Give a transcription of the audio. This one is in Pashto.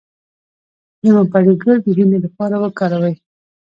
د ممپلی ګل د وینې لپاره وکاروئ